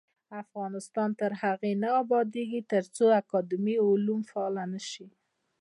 افغانستان تر هغو نه ابادیږي، ترڅو اکاډمي علوم فعاله نشي.